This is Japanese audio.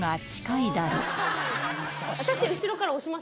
私。